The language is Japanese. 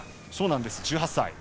そうなんです、１８歳。